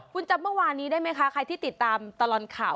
คุณจำเมื่อวานนี้ได้ไหมคะใครที่ติดตามตลอดข่าว